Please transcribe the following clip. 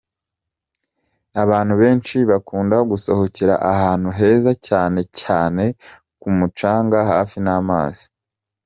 Abantu benshi bakunda gusohokera ahantu heza cyane cyane ku mucanga hafi n’amazi.